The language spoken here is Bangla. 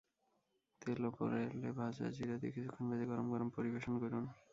তেল ওপরে এলে ভাজা জিরা দিয়ে কিছুক্ষণ ভেজে গরম গরম পরিবেশন করুন।